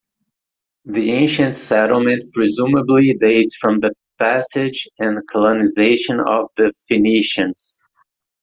The ancient settlement presumably dates from the passage and colonization of the Phoenicians.